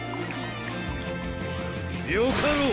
よかろう